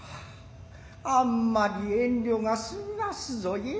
あんまり遠慮が過ぎますぞや。